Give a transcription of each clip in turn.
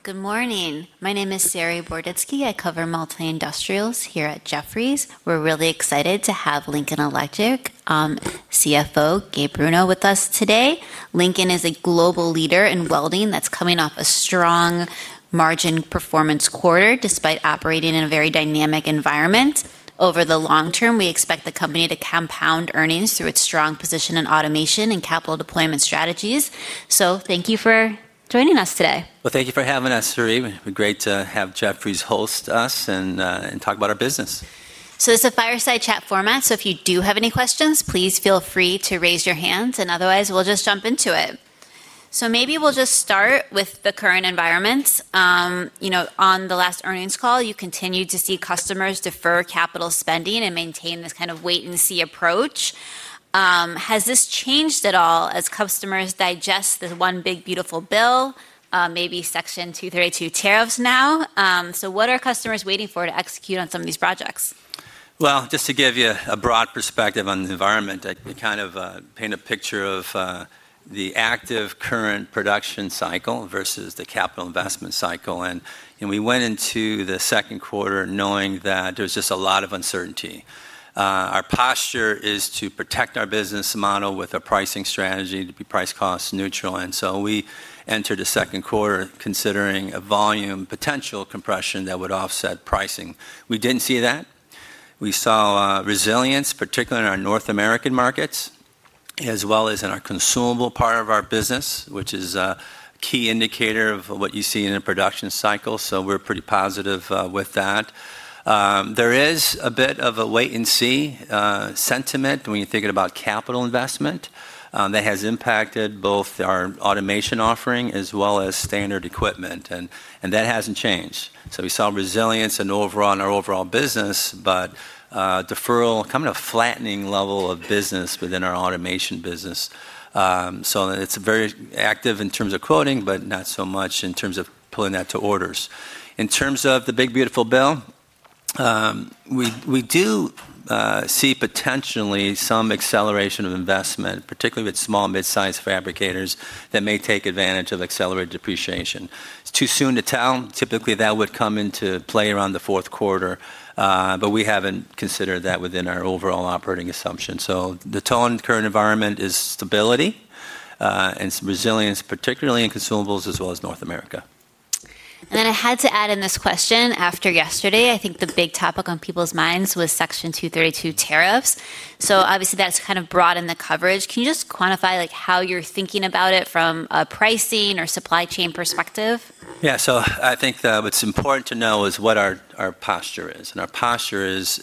... Good morning. My name is Saree Boroditsky. I cover multi-industrials here at Jefferies. We're really excited to have Lincoln Electric CFO, Gabriel Bruno, with us today. Lincoln is a global leader in welding that's coming off a strong margin performance quarter, despite operating in a very dynamic environment. Over the long term, we expect the company to compound earnings through its strong position in automation and capital deployment strategies. So thank you for joining us today. Thank you for having us, Saree. Great to have Jefferies host us and talk about our business. So this is a fireside chat format, so if you do have any questions, please feel free to raise your hands, and otherwise, we'll just jump into it. So maybe we'll just start with the current environment. You know, on the last earnings call, you continued to see customers defer capital spending and maintain this kind of wait-and-see approach. Has this changed at all as customers digest the one big, beautiful bill, maybe Section 232 tariffs now? So what are customers waiting for to execute on some of these projects? Well, just to give you a broad perspective on the environment, I can kind of paint a picture of the active current production cycle versus the capital investment cycle. And we went into the second quarter knowing that there was just a lot of uncertainty. Our posture is to protect our business model with a pricing strategy to be price-cost neutral, and so we entered the second quarter considering a volume potential compression that would offset pricing. We didn't see that. We saw resilience, particularly in our North American markets, as well as in our consumable part of our business, which is a key indicator of what you see in a production cycle, so we're pretty positive with that. There is a bit of a wait-and-see sentiment when you're thinking about capital investment that has impacted both our automation offering as well as standard equipment, and that hasn't changed, so we saw resilience in our overall business, but deferral, kind of a flattening level of business within our automation business, so it's very active in terms of quoting, but not so much in terms of pulling that to orders. In terms of the big, beautiful bill, we do see potentially some acceleration of investment, particularly with small and mid-sized fabricators, that may take advantage of accelerated depreciation. It's too soon to tell. Typically, that would come into play around the fourth quarter, but we haven't considered that within our overall operating assumption. So the tone in the current environment is stability, and some resilience, particularly in consumables as well as North America. And then I had to add in this question after yesterday. I think the big topic on people's minds was Section 232 tariffs. So obviously, that's kind of broadened the coverage. Can you just quantify, like, how you're thinking about it from a pricing or supply chain perspective? Yeah. So I think that what's important to know is what our posture is, and our posture is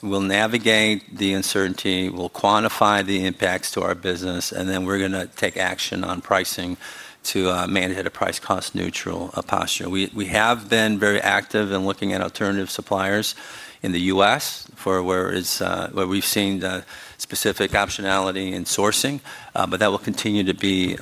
we'll navigate the uncertainty, we'll quantify the impacts to our business, and then we're gonna take action on pricing to maintain a price-cost neutral posture. We have been very active in looking at alternative suppliers in the U.S. for where we've seen the specific optionality in sourcing, but that will continue to be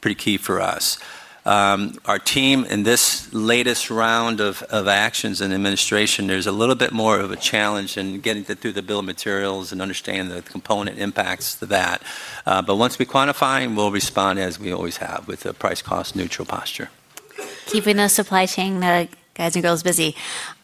pretty key for us. Our team, in this latest round of actions and administration, there's a little bit more of a challenge in getting through the bill of materials and understanding the component impacts to that. But once we quantify, we'll respond as we always have, with a price-cost neutral posture. Keeping the supply chain, the guys and girls busy.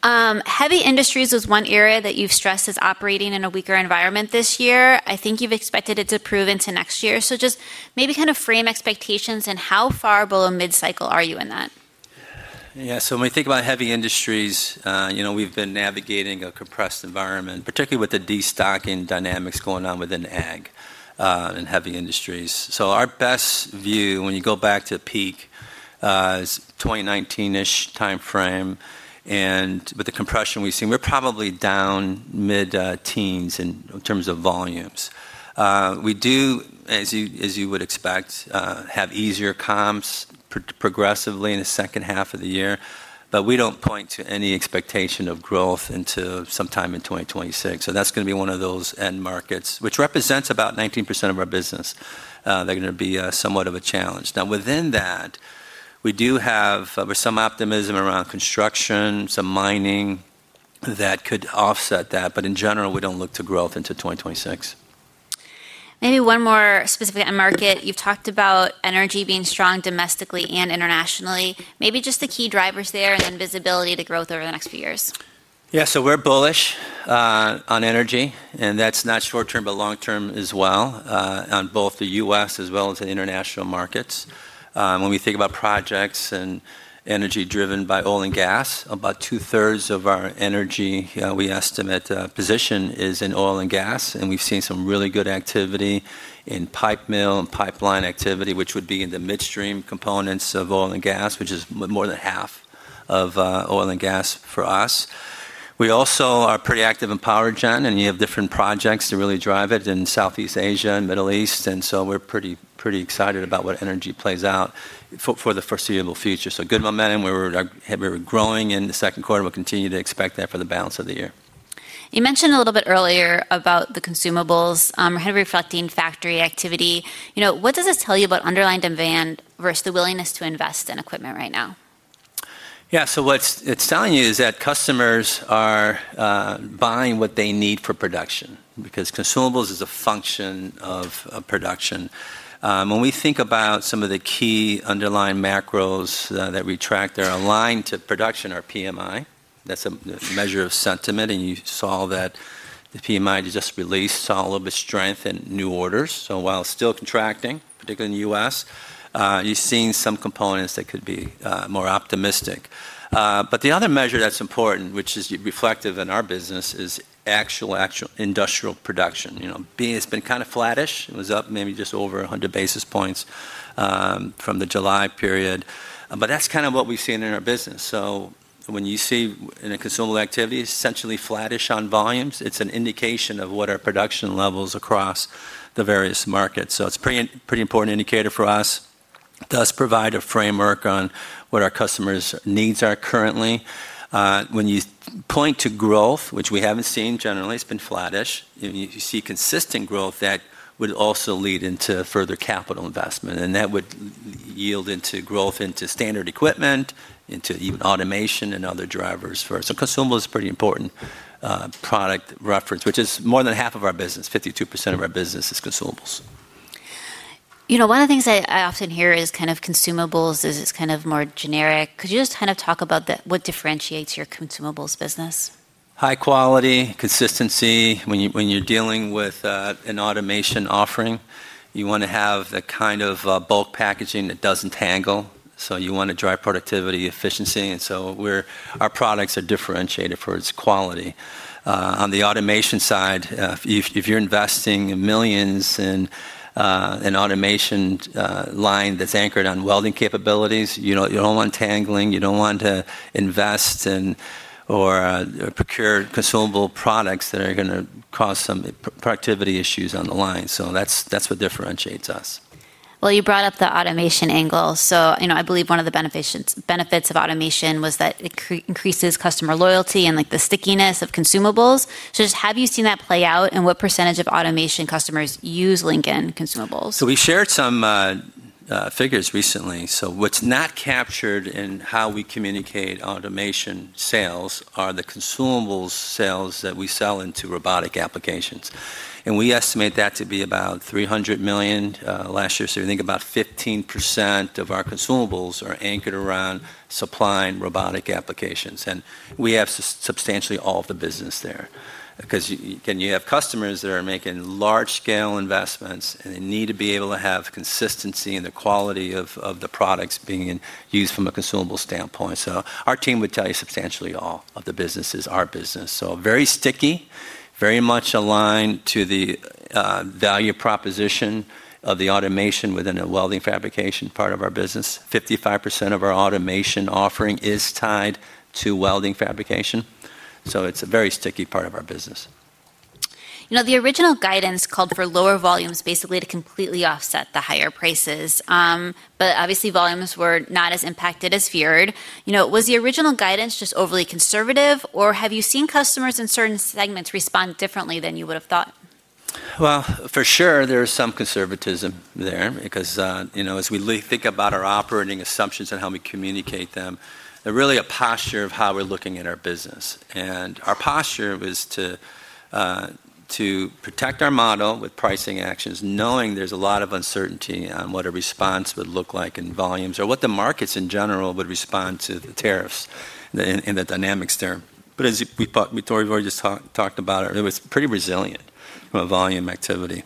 Heavy industries is one area that you've stressed is operating in a weaker environment this year. I think you've expected it to improve into next year, so just maybe kind of frame expectations and how far below mid-cycle are you in that? Yeah, so when we think about heavy industries, you know, we've been navigating a compressed environment, particularly with the destocking dynamics going on within ag and heavy industries. So our best view, when you go back to peak, is 2019-ish timeframe, and with the compression we've seen, we're probably down mid teens in terms of volumes. We do, as you would expect, have easier comps progressively in the second half of the year, but we don't point to any expectation of growth until sometime in 2026. So that's gonna be one of those end markets, which represents about 19% of our business. They're gonna be somewhat of a challenge. Now, within that, we do have some optimism around construction, some mining, that could offset that, but in general, we don't look to growth until 2026. Maybe one more specific end market. You've talked about energy being strong domestically and internationally. Maybe just the key drivers there and then visibility to growth over the next few years. Yeah, so we're bullish on energy, and that's not short term, but long term as well on both the U.S. as well as the international markets. When we think about projects and energy driven by oil and gas, about two-thirds of our energy we estimate position is in oil and gas, and we've seen some really good activity in pipe mill and pipeline activity, which would be in the midstream components of oil and gas, which is more than half of oil and gas for us. We also are pretty active in power gen, and you have different projects to really drive it in Southeast Asia and Middle East, and so we're pretty, pretty excited about what energy plays out for, for the foreseeable future. So good momentum. We were growing in the second quarter, and we'll continue to expect that for the balance of the year. You mentioned a little bit earlier about the consumables, kind of reflecting factory activity. You know, what does this tell you about underlying demand versus the willingness to invest in equipment right now?... Yeah, so what it's telling you is that customers are buying what they need for production, because consumables is a function of production. When we think about some of the key underlying macros that we track, they're aligned to production, or PMI. That's a measure of sentiment, and you saw that the PMI just released saw a little bit of strength in new orders. So while still contracting, particularly in the U.S., you're seeing some components that could be more optimistic. But the other measure that's important, which is reflective in our business, is actual industrial production. You know, it's been kind of flattish. It was up maybe just over a hundred basis points from the July period, but that's kind of what we've seen in our business. So when you see in a consumables activity, essentially flattish on volumes, it's an indication of what our production levels across the various markets. It's pretty important indicator for us. It does provide a framework on what our customers' needs are currently. When you point to growth, which we haven't seen, generally it's been flattish, and you see consistent growth, that would also lead into further capital investment, and that would yield into growth, into standard equipment, into even automation and other drivers for... So consumables is a pretty important product reference, which is more than half of our business. 52% of our business is consumables. You know, one of the things I often hear is kind of consumables is kind of more generic. Could you just kind of talk about the, what differentiates your consumables business? High quality, consistency. When you're dealing with an automation offering, you wanna have the kind of bulk packaging that doesn't tangle, so you wanna drive productivity, efficiency, and so our products are differentiated for its quality. On the automation side, if you're investing millions in an automation line that's anchored on welding capabilities, you know, you don't want tangling, you don't want to invest in or procure consumable products that are gonna cause some productivity issues on the line. So that's what differentiates us. You brought up the automation angle, so, you know, I believe one of the benefits of automation was that it increases customer loyalty and, like, the stickiness of consumables. So just have you seen that play out, and what percentage of automation customers use Lincoln consumables? So we shared some figures recently. So what's not captured in how we communicate automation sales are the consumables sales that we sell into robotic applications, and we estimate that to be about $300 million last year. So I think about 15% of our consumables are anchored around supplying robotic applications, and we have substantially all of the business there. 'Cause then you have customers that are making large-scale investments, and they need to be able to have consistency in the quality of the products being in use from a consumable standpoint. So our team would tell you substantially all of the business is our business. So very sticky, very much aligned to the value proposition of the automation within the welding fabrication part of our business. 55% of our automation offering is tied to welding fabrication, so it's a very sticky part of our business. You know, the original guidance called for lower volumes, basically to completely offset the higher prices, but obviously, volumes were not as impacted as feared. You know, was the original guidance just overly conservative, or have you seen customers in certain segments respond differently than you would have thought? Well, for sure there is some conservatism there because, you know, as we think about our operating assumptions and how we communicate them, they're really a posture of how we're looking at our business. And our posture was to protect our model with pricing actions, knowing there's a lot of uncertainty on what a response would look like in volumes or what the markets in general would respond to the tariffs, and the dynamics there. But as we talked, Victoria already just talked about it, it was pretty resilient from a volume activity.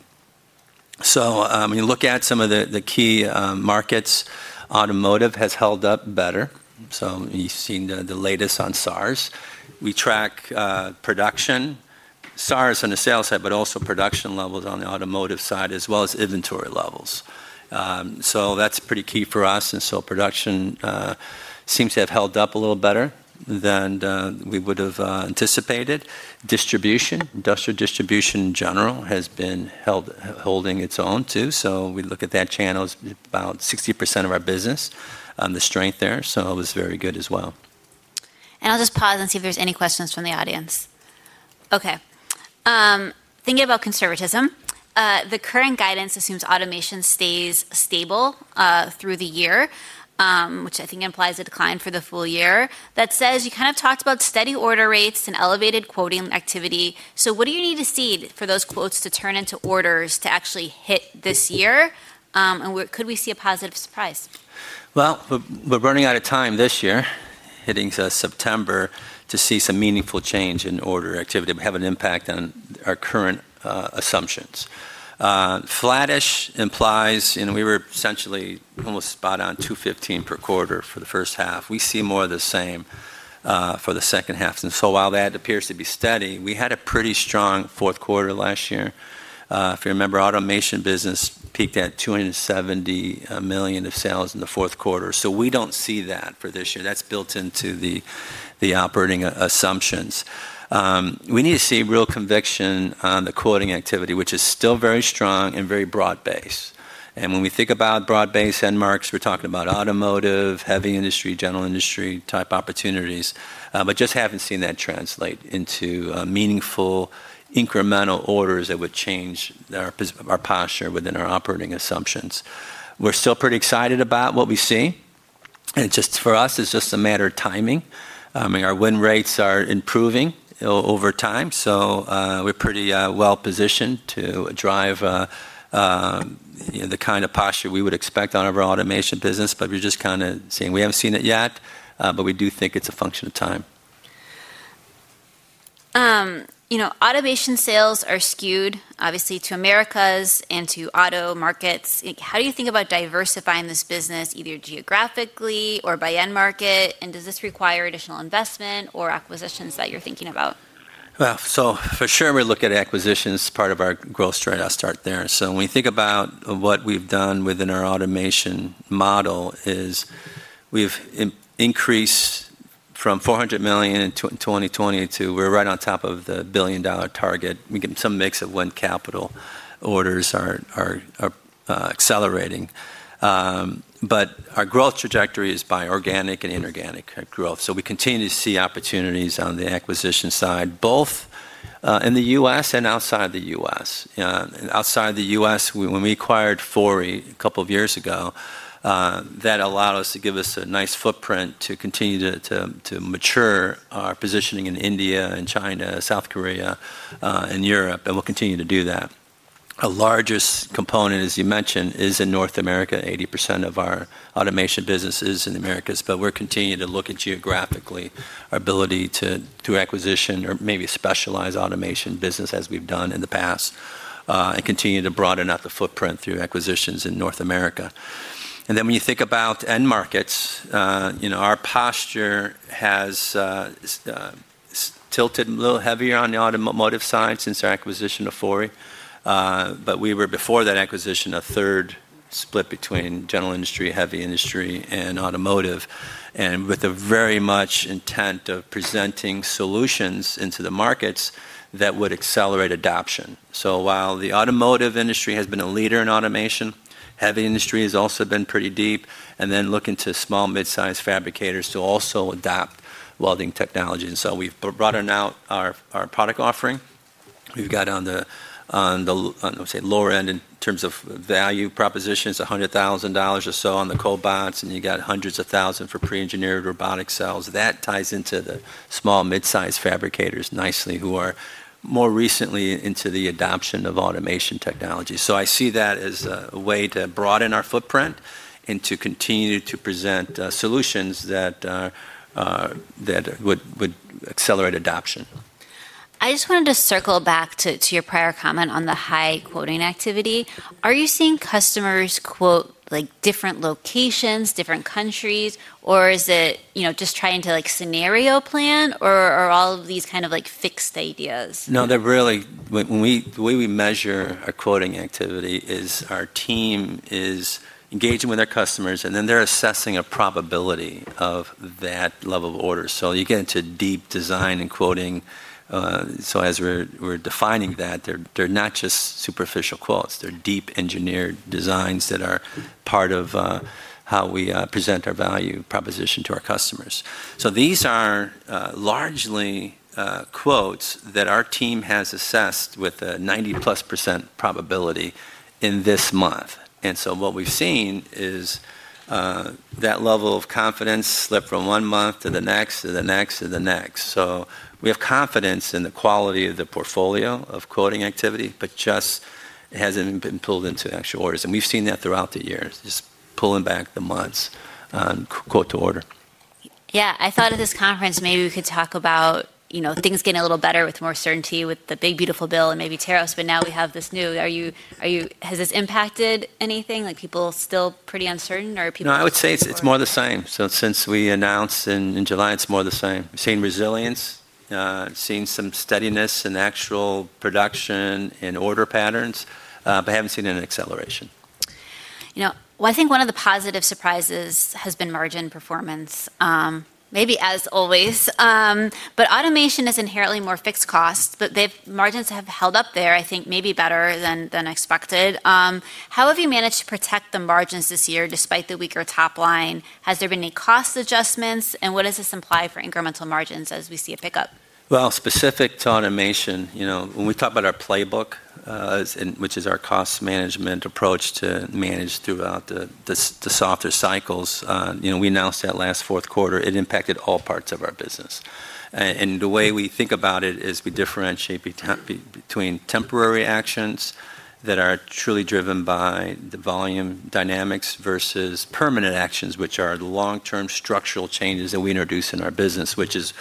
So, when you look at some of the key markets, automotive has held up better, so you've seen the latest on SAAR. We track production, SAAR on the sales side, but also production levels on the automotive side, as well as inventory levels. So that's pretty key for us, and so production seems to have held up a little better than we would've anticipated. Distribution, industrial distribution in general, has been holding its own, too. So we look at that channel as about 60% of our business, the strength there, so it was very good as well. And I'll just pause and see if there's any questions from the audience. Okay. Thinking about conservatism, the current guidance assumes automation stays stable through the year, which I think implies a decline for the full year. That says you kind of talked about steady order rates and elevated quoting activity. So what do you need to see for those quotes to turn into orders to actually hit this year? And could we see a positive surprise? We're running out of time this year, heading to September, to see some meaningful change in order activity have an impact on our current assumptions. Flattish implies, and we were essentially almost spot on $215 million per quarter for the first half. We see more of the same for the second half, and so while that appears to be steady, we had a pretty strong fourth quarter last year. If you remember, automation business peaked at $270 million of sales in the fourth quarter. So we don't see that for this year. That's built into the operating assumptions. We need to see real conviction on the quoting activity, which is still very strong and very broad-based. And when we think about broad-based end markets, we're talking about automotive, heavy industry, general industry-type opportunities, but just haven't seen that translate into meaningful, incremental orders that would change our posture within our operating assumptions. We're still pretty excited about what we see... and it just, for us, it's just a matter of timing. And our win rates are improving over time, so we're pretty well-positioned to drive you know, the kind of posture we would expect out of our automation business, but we're just kind of saying we haven't seen it yet, but we do think it's a function of time. You know, automation sales are skewed, obviously, to Americas and to auto markets. Like, how do you think about diversifying this business, either geographically or by end market, and does this require additional investment or acquisitions that you're thinking about? For sure, we look at acquisitions as part of our growth strategy. I'll start there. When we think about what we've done within our automation model is we've increased from four hundred million in 2020 to we're right on top of the billion-dollar target. We get some mix of when capital orders are accelerating. But our growth trajectory is by organic and inorganic growth, so we continue to see opportunities on the acquisition side, both in the U.S. and outside the U.S. Outside the U.S., when we acquired Fori a couple of years ago, that allowed us to give us a nice footprint to continue to mature our positioning in India and China, South Korea, and Europe, and we'll continue to do that. Our largest component, as you mentioned, is in North America. 80% of our automation business is in the Americas, but we're continuing to look at geographically our ability to acquire or maybe specialize automation business as we've done in the past, and continue to broaden out the footprint through acquisitions in North America. Then when you think about end markets, you know, our posture has tilted a little heavier on the automotive side since our acquisition of Fori. But we were, before that acquisition, a third split between general industry, heavy industry, and automotive, and with a very much intent of presenting solutions into the markets that would accelerate adoption. While the automotive industry has been a leader in automation, heavy industry has also been pretty deep, and then looking to small, mid-size fabricators to also adopt welding technology. And so we've broadened out our product offering. We've got, say, on the lower end in terms of value propositions, $100,000 or so on the cobots, and you got hundreds of thousands for pre-engineered robotic cells. That ties into the small, mid-size fabricators nicely, who are more recently into the adoption of automation technology. So I see that as a way to broaden our footprint and to continue to present solutions that would accelerate adoption. I just wanted to circle back to your prior comment on the high quoting activity. Are you seeing customers quote, like, different locations, different countries, or is it, you know, just trying to, like, scenario plan, or are all of these kind of like fixed ideas? No, they're really. When we measure our quoting activity, our team is engaging with our customers, and then they're assessing a probability of that level of order. So you get into deep design and quoting, so as we're defining that, they're not just superficial quotes. They're deep, engineered designs that are part of how we present our value proposition to our customers. So these are largely quotes that our team has assessed with a 90+% probability in this month, and so what we've seen is that level of confidence slip from one month to the next, to the next, to the next. We have confidence in the quality of the portfolio of quoting activity, but just, it hasn't been pulled into actual orders, and we've seen that throughout the years, just pulling back the months on quote to order. Yeah, I thought at this conference, maybe we could talk about, you know, things getting a little better with more certainty with the big, beautiful bill and maybe tariffs, but now we have this new- are you, are you- has this impacted anything? Like, people still pretty uncertain, or are people- No, I would say it's more the same. So since we announced in July, it's more the same. We've seen resilience, seen some steadiness in actual production and order patterns, but haven't seen an acceleration. You know, well, I think one of the positive surprises has been margin performance, maybe as always, but automation is inherently more fixed costs, but the margins have held up there, I think, maybe better than expected. How have you managed to protect the margins this year, despite the weaker top line? Has there been any cost adjustments, and what does this imply for incremental margins as we see a pickup? Well, specific to automation, you know, when we talk about our playbook, which is our cost management approach to manage throughout the softer cycles, you know, we announced that last fourth quarter, it impacted all parts of our business. And the way we think about it is we differentiate between temporary actions that are truly driven by the volume dynamics versus permanent actions, which are the long-term structural changes that we introduce in our business, which is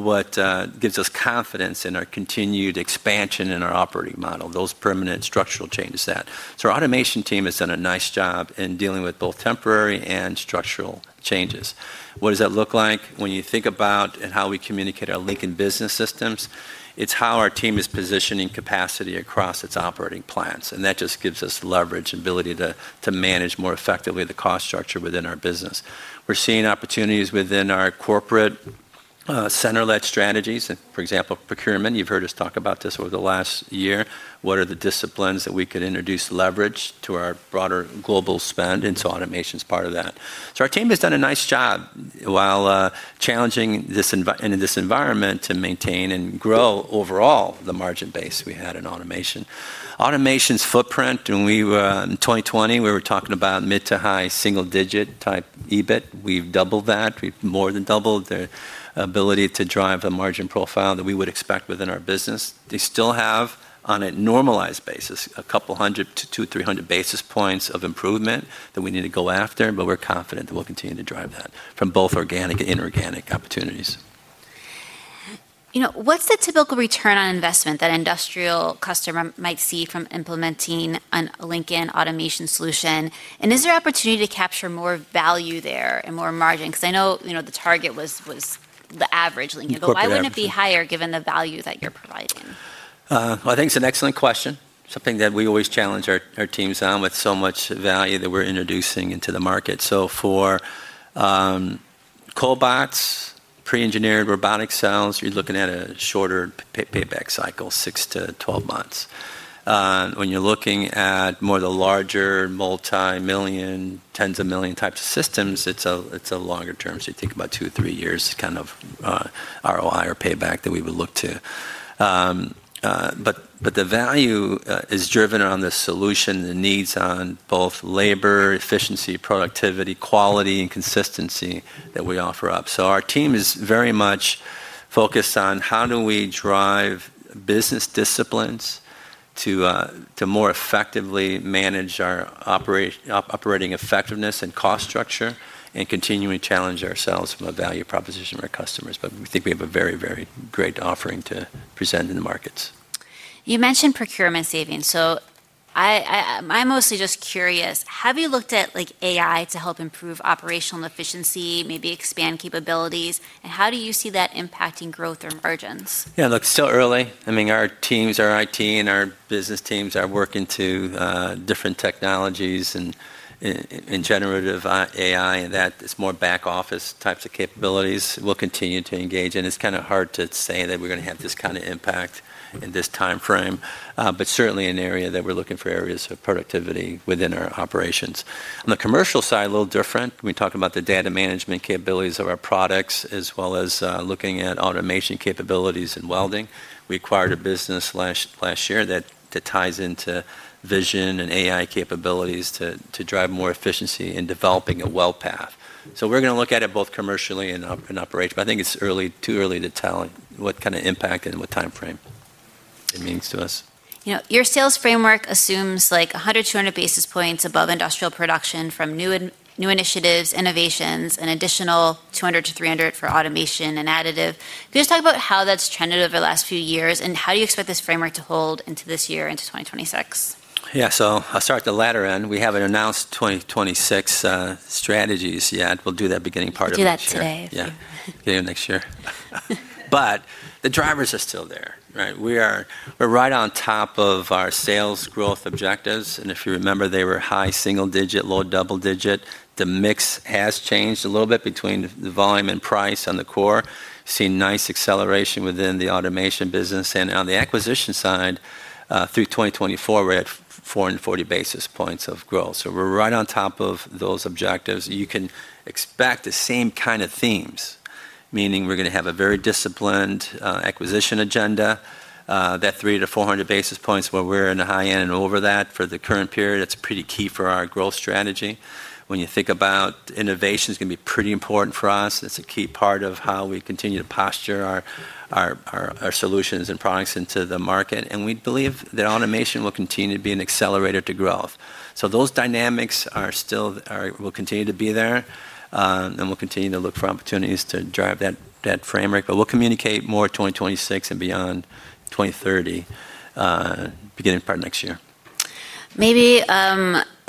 what gives us confidence in our continued expansion in our operating model, those permanent structural changes that... So our automation team has done a nice job in dealing with both temporary and structural changes. What does that look like? When you think about and how we communicate our Lincoln business systems, it's how our team is positioning capacity across its operating plants, and that just gives us leverage, ability to manage more effectively the cost structure within our business. We're seeing opportunities within our corporate, center-led strategies, and for example, procurement, you've heard us talk about this over the last year. What are the disciplines that we could introduce leverage to our broader global spend? Automation's part of that. Our team has done a nice job while challenging this environment to maintain and grow overall the margin base we had in automation. Automation's footprint when we were in 2020, we were talking about mid to high single digit type EBIT. We've doubled that. We've more than doubled the ability to drive the margin profile that we would expect within our business. They still have, on a normalized basis, a couple hundred to 2-300 basis points of improvement that we need to go after, but we're confident that we'll continue to drive that from both organic and inorganic opportunities. You know, what's the typical return on investment that an industrial customer might see from implementing a Lincoln automation solution? And is there opportunity to capture more value there and more margin? 'Cause I know, you know, the target was the average Lincoln- The average. But why wouldn't it be higher, given the value that you're providing? I think it's an excellent question, something that we always challenge our teams on with so much value that we're introducing into the market. So for cobots, pre-engineered robotic cells, you're looking at a shorter payback cycle, six to 12 months. When you're looking at more of the larger multi-million, tens of million types of systems, it's a longer term, so you think about two to three years kind of ROI or payback that we would look to. But the value is driven on the solution, the needs on both labor, efficiency, productivity, quality, and consistency that we offer up. So our team is very much focused on how do we drive business disciplines to more effectively manage our operating effectiveness and cost structure, and continuing to challenge ourselves from a value proposition to our customers. But we think we have a very, very great offering to present in the markets. You mentioned procurement savings, so I, I'm mostly just curious, have you looked at, like, AI to help improve operational efficiency, maybe expand capabilities? And how do you see that impacting growth or margins? Yeah, look, it's still early. I mean, our teams, our IT and our business teams are working to different technologies and, and generative AI, and that is more back office types of capabilities we'll continue to engage in. It's kind of hard to say that we're gonna have this kind of impact in this time frame. But certainly an area that we're looking for areas of productivity within our operations. On the commercial side, a little different. We talk about the data management capabilities of our products, as well as, looking at automation capabilities and welding. We acquired a business last year that ties into vision and AI capabilities to drive more efficiency in developing a weld path. So we're gonna look at it both commercially and operationally. But I think it's early, too early to tell what kind of impact and what time frame it means to us. You know, your sales framework assumes, like, a hundred, two hundred basis points above industrial production from new initiatives, innovations, an additional two hundred to three hundred for automation and additive. Can you just talk about how that's trended over the last few years, and how do you expect this framework to hold into this year, into 2026? Yeah, so I'll start at the latter end. We haven't announced 2026 strategies yet. We'll do that beginning part of next year. We'll do that today. Yeah, beginning of next year. But the drivers are still there, right? We're right on top of our sales growth objectives, and if you remember, they were high single digit, low double digit. The mix has changed a little bit between the volume and price on the core. We've seen nice acceleration within the automation business, and on the acquisition side, through 2024, we're at four hundred and forty basis points of growth. So we're right on top of those objectives. You can expect the same kind of themes, meaning we're gonna have a very disciplined acquisition agenda. That three to four hundred basis points, where we're in the high end and over that for the current period, it's pretty key for our growth strategy. When you think about innovation, it's gonna be pretty important for us. It's a key part of how we continue to posture our solutions and products into the market, and we believe that automation will continue to be an accelerator to growth. So those dynamics are still will continue to be there, and we'll continue to look for opportunities to drive that framework, but we'll communicate more 2026 and beyond 2030, beginning part of next year. Maybe,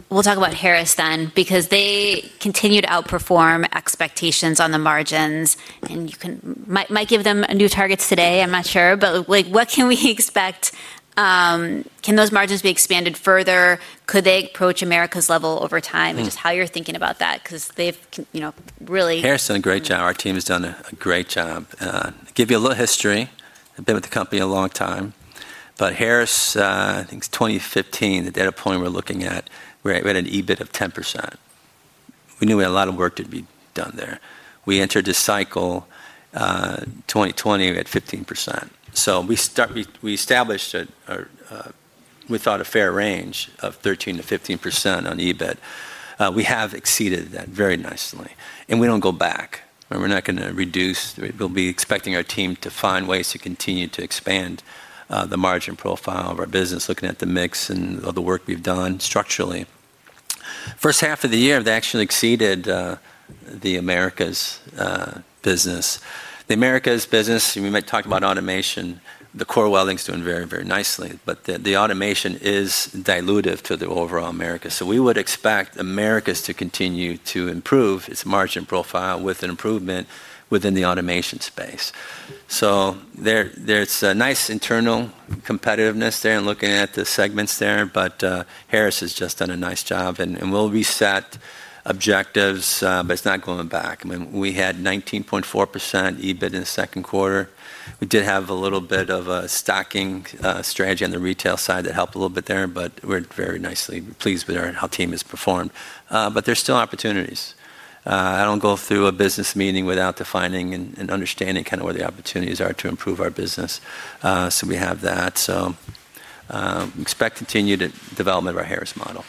we'll talk about Harris then, because they continue to outperform expectations on the margins, and you can... Might give them new targets today, I'm not sure. But, like, what can we expect? Can those margins be expanded further? Could they approach Americas' level over time? Mm. Just how you're thinking about that, 'cause they've, you know, really- Harris has done a great job. Our team has done a great job. Give you a little history. I've been with the company a long time. But Harris, I think it's 2015, the data point we're looking at, we had an EBIT of 10%. We knew we had a lot of work to be done there. We entered a cycle, 2020, we had 15%. So we established a fair range of 13%-15% on EBIT, we thought. We have exceeded that very nicely, and we don't go back, and we're not gonna reduce. We'll be expecting our team to find ways to continue to expand the margin profile of our business, looking at the mix and all the work we've done structurally. First half of the year, they actually exceeded the Americas business. The Americas business, we might talk about automation. The core welding's doing very, very nicely, but the automation is dilutive to the overall Americas. So we would expect Americas to continue to improve its margin profile with an improvement within the automation space. So there's a nice internal competitiveness there and looking at the segments there, but Harris has just done a nice job, and we'll reset objectives, but it's not going back. I mean, we had 19.4% EBIT in the second quarter. We did have a little bit of a stocking strategy on the retail side that helped a little bit there, but we're very nicely pleased with how our team has performed. But there's still opportunities. I don't go through a business meeting without defining and understanding kind of where the opportunities are to improve our business. So we have that. So, expect continued development of our Harris model.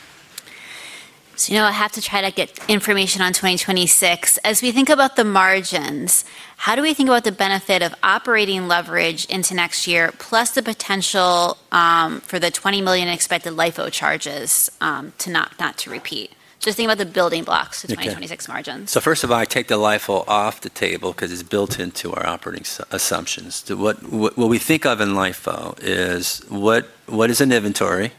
You know, I have to try to get information on 2026. As we think about the margins, how do we think about the benefit of operating leverage into next year, plus the potential for the 20 million expected LIFO charges to not repeat? Just think about the building blocks of- Okay... 2026 margins. So first of all, I take the LIFO off the table 'cause it's built into our operating assumptions. What we think of in LIFO is what is in inventory,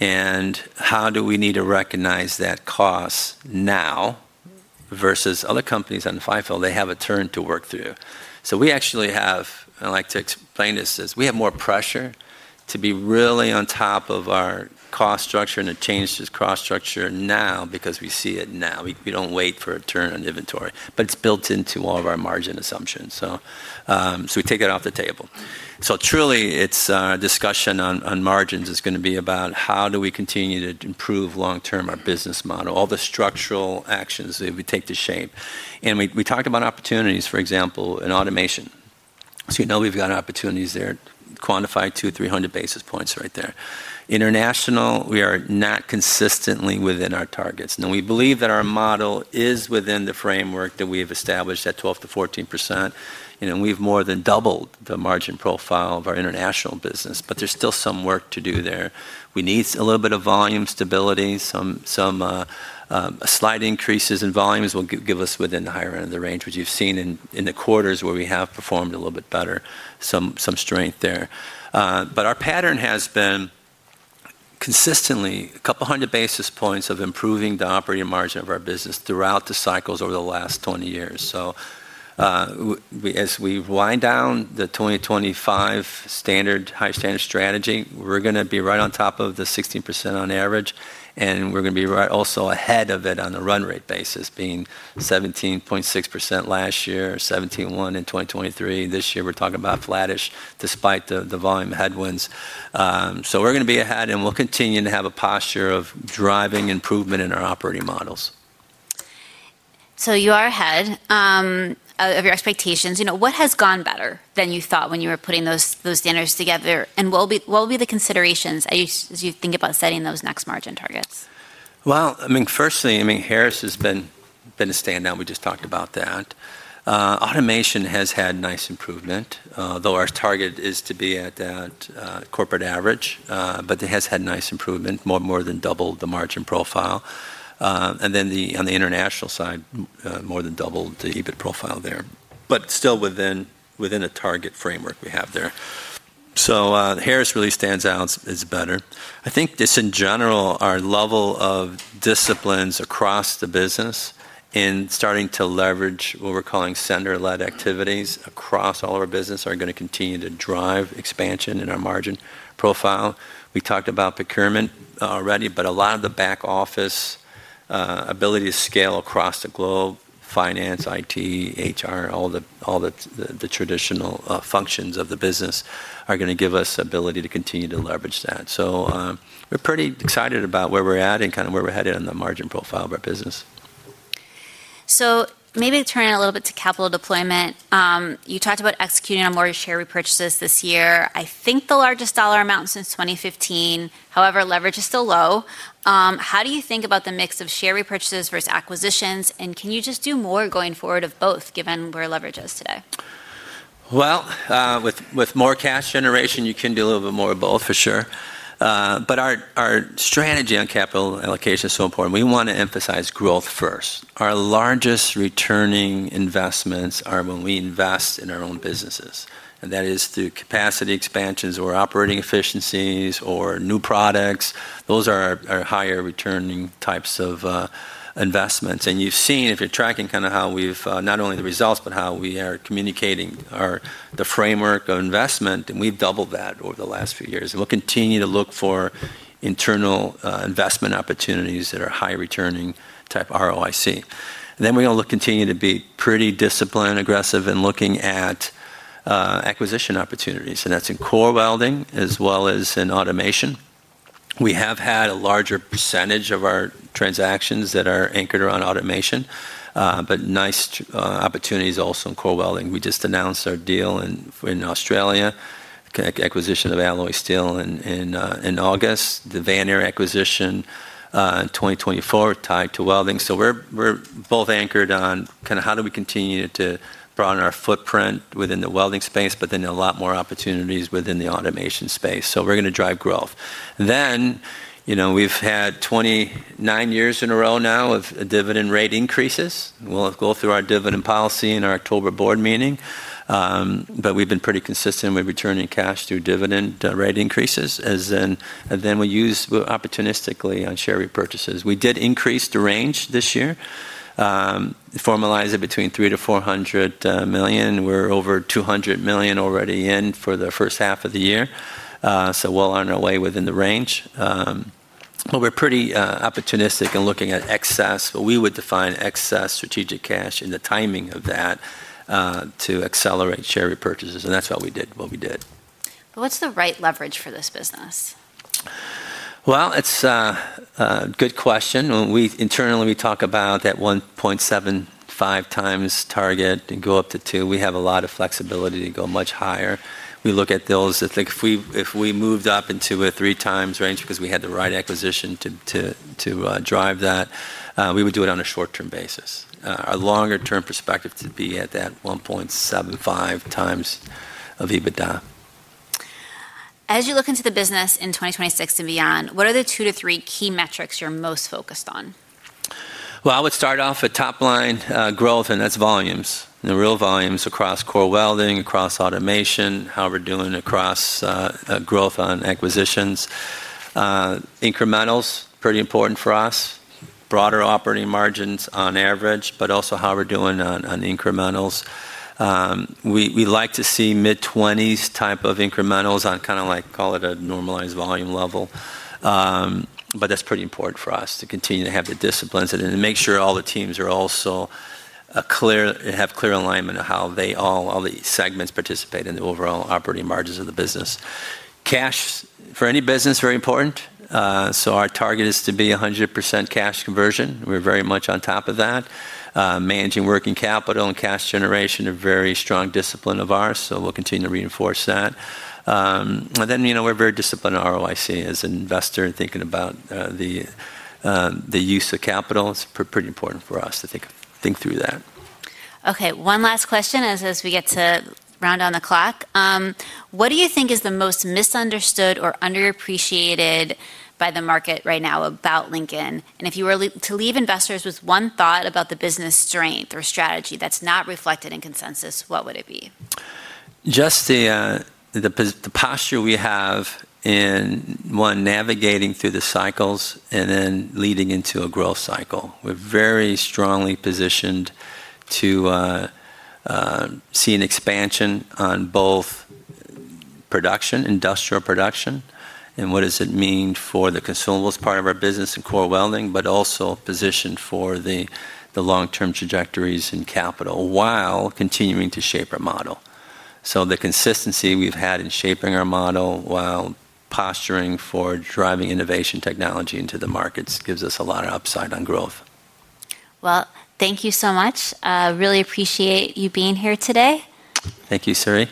and how do we need to recognize that cost now versus other companies on FIFO. They have a turn to work through. So we actually have. I like to explain this as, we have more pressure to be really on top of our cost structure and to change this cost structure now because we see it now. We don't wait for a turn on inventory, but it's built into all of our margin assumptions. So we take that off the table. Mm-hmm. So truly, it's discussion on margins is gonna be about how do we continue to improve long-term our business model, all the structural actions that we take to shape. And we talked about opportunities, for example, in automation. So you know we've got opportunities there, quantify 200-300 basis points right there. International, we are not consistently within our targets. Now, we believe that our model is within the framework that we have established at 12%-14%, and we've more than doubled the margin profile of our international business, but there's still some work to do there. We need a little bit of volume stability, some slight increases in volumes will give us within the higher end of the range, which you've seen in the quarters where we have performed a little bit better, some strength there. But our pattern has been consistently a couple hundred basis points of improving the operating margin of our business throughout the cycles over the last twenty years. So, we as we wind down the 2025 standard, high standard strategy, we're gonna be right on top of the 16% on average, and we're gonna be right also ahead of it on a run rate basis, being 17.6% last year, 17.1% in 2023. This year, we're talking about flattish, despite the volume headwinds. So we're gonna be ahead, and we'll continue to have a posture of driving improvement in our operating models. So you are ahead of your expectations. You know, what has gone better than you thought when you were putting those standards together? And what will be the considerations as you think about setting those next margin targets? I mean, firstly, Harris has been a standout. We just talked about that. Automation has had nice improvement, though our target is to be at that corporate average, but it has had nice improvement, more than double the margin profile. And then, on the international side, more than double the EBIT profile there, but still within a target framework we have there. So, Harris really stands out as better. I think just in general, our level of disciplines across the business is starting to leverage what we're calling center-led activities across all our business are gonna continue to drive expansion in our margin profile. We talked about procurement already, but a lot of the back office ability to scale across the globe, finance, IT, HR, all the traditional functions of the business are gonna give us ability to continue to leverage that. So, we're pretty excited about where we're at and kind of where we're headed in the margin profile of our business. So maybe turn a little bit to capital deployment. You talked about executing on more share repurchases this year, I think the largest dollar amount since 2015. However, leverage is still low. How do you think about the mix of share repurchases versus acquisitions, and can you just do more going forward of both, given where leverage is today? With more cash generation, you can do a little bit more of both, for sure. Our strategy on capital allocation is so important. We wanna emphasize growth first. Our largest returning investments are when we invest in our own businesses, and that is through capacity expansions or operating efficiencies or new products. Those are higher-returning types of investments. You've seen, if you're tracking kind of how we've not only the results, but how we are communicating our, the framework of investment, and we've doubled that over the last few years. We'll continue to look for internal investment opportunities that are high-returning type ROIC. We're gonna continue to be pretty disciplined, aggressive in looking at acquisition opportunities, and that's in core welding as well as in automation. We have had a larger percentage of our transactions that are anchored around automation, but nice opportunities also in core welding. We just announced our deal in Australia, acquisition of Alloy Steel in August, the Vanair acquisition in 2024, tied to welding. So we're both anchored on kind of how do we continue to broaden our footprint within the welding space, but then a lot more opportunities within the automation space, so we're gonna drive growth. Then, you know, we've had twenty-nine years in a row now of dividend rate increases. We'll go through our dividend policy in our October board meeting, but we've been pretty consistent with returning cash through dividend rate increases, and then we use opportunistically on share repurchases. We did increase the range this year, formalize it between $300-$400 million. We're over $200 million already in for the first half of the year, so well on our way within the range, well, we're pretty opportunistic in looking at excess, but we would define excess strategic cash and the timing of that, to accelerate share repurchases, and that's why we did what we did. But what's the right leverage for this business? It's a good question. When we internally talk about that 1.75 times target and go up to two. We have a lot of flexibility to go much higher. We look at those. I think if we moved up into a three times range because we had the right acquisition to drive that, we would do it on a short-term basis. Our longer-term perspective to be at that 1.75 times of EBITDA. As you look into the business in 2026 and beyond, what are the two to three key metrics you're most focused on? I would start off with top line growth, and that's volumes, the real volumes across core welding, across automation, how we're doing across growth on acquisitions. Incrementals, pretty important for us. Broader operating margins on average, but also how we're doing on incrementals. We like to see mid-twenties type of incrementals on kind of like, call it a normalized volume level. But that's pretty important for us to continue to have the disciplines and make sure all the teams are also clear, have clear alignment of how they all the segments participate in the overall operating margins of the business. Cash, for any business, very important. So our target is to be 100% cash conversion. We're very much on top of that. Managing working capital and cash generation, a very strong discipline of ours, so we'll continue to reinforce that. And then, you know, we're very disciplined in ROIC as an investor in thinking about the use of capital. It's pretty important for us to think through that. Okay, one last question as we run down the clock. What do you think is the most misunderstood or underappreciated by the market right now about Lincoln? And if you were to leave investors with one thought about the business strength or strategy that's not reflected in consensus, what would it be? Just the posture we have in one navigating through the cycles, and then leading into a growth cycle. We're very strongly positioned to see an expansion on both production, industrial production, and what does it mean for the consumables part of our business and core welding, but also positioned for the long-term trajectories in capital, while continuing to shape our model. The consistency we've had in shaping our model while posturing for driving innovation technology into the markets gives us a lot of upside on growth. Thank you so much. Really appreciate you being here today. Thank you, Saree.